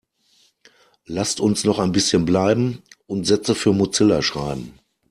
Lasst uns noch ein bisschen bleiben und Sätze für Mozilla schreiben.